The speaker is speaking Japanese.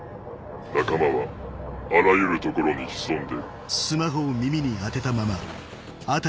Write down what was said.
仲間はあらゆるところに潜んでる。